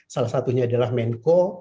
salah satunya adalah menko